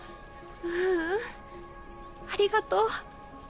ううんありがとう。